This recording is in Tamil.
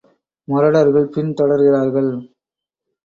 முரடர்கள் பின் தொடர்கிறார்கள்.